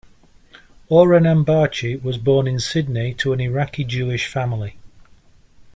Oren Ambarchi was born in Sydney to an Iraqi Jewish family.